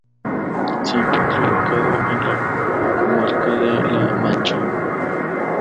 Se encuentra ubicado en la comarca de La Mancha.